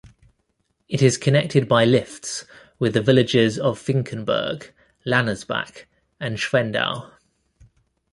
It is connected by lifts with the villages of Finkenberg, Lanersbach and Schwendau.